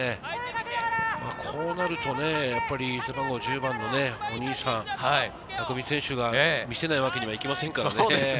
こうなるとね、背番号１０番のお兄さん・匠選手が見せないわけにはいきませんからね。